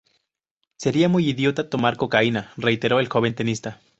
Sería muy idiota tomar cocaína', reiteró el joven tenista.